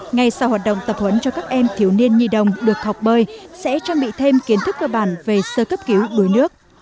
ngay sau hoạt động tập huấn cho các em thiếu niên nhi đồng được học bơi sẽ trang bị thêm kiến thức cơ bản về sơ cấp cứu đuối nước